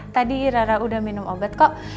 tadi rara udah minum obat kok